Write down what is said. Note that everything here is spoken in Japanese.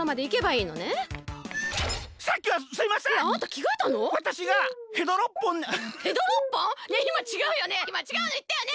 いまちがうのいったよね？